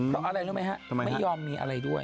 เขาอะไรรู้มั้ยฮะไม่ยอมมีอะไรด้วย